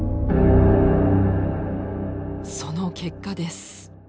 その結果です。